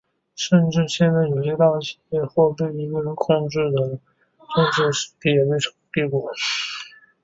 甚至现在有些大的企业或被一个人控制的政治实体也被称为帝国。